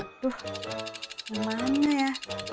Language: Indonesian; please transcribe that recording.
aduh yang mana ya